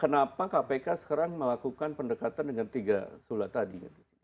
kenapa kpk sekarang melakukan pendekatan dengan tiga surat tadi